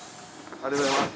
ありがとうございます。